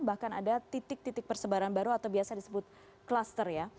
bahkan ada titik titik persebaran baru atau biasa disebut kluster ya